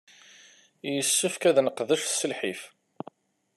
Yessefk ad neqdec s lḥif.